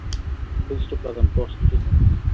ফুল stop লাগান, প্রশ্ন চিহ্ন নয়।